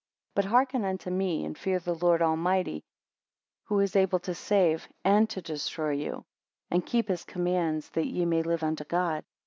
But hearken unto me, and fear the Lord Almighty, who is able to save and to destroy you; and keep his commands, that ye may live unto God.